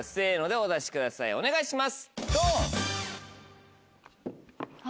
お願いします！